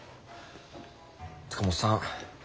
塚本さん